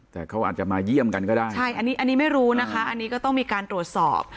แต่เขาอาจจะมาเยี่ยมกันก็ได้ใช่อันนี้อันนี้ไม่รู้นะคะอันนี้ก็ต้องมีการตรวจสอบ